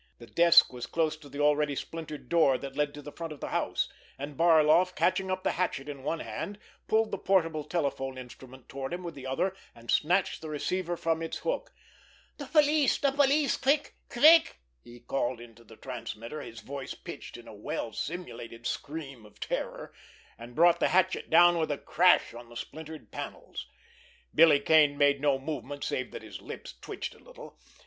The desk was close to the already splintered door that led to the front of the house, and Barloff, catching up the hatchet in one hand, pulled the portable telephone instrument toward him with the other, and snatched the receiver from its hook. "The police—quick—quick!" he called into the transmitter, his voice pitched in a well simulated scream of terror, and brought the hatchet down with a crash on the splintered panels. Billy Kane made no movement save that his lips twitched a little.